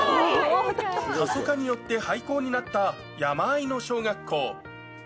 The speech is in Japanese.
過疎化によって廃校になった山あいの小学校。